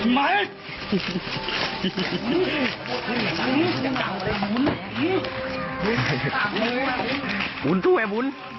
ไม่ครับ